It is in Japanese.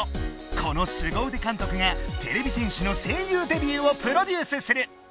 このスゴうで監督がてれび戦士の声優デビューをプロデュースする！